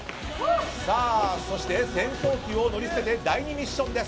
さあ、そして戦闘機を乗り捨てて第２ミッションです。